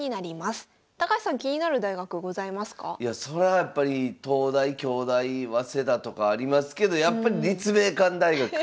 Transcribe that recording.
やっぱり東大京大早稲田とかありますけどやっぱり立命館大学。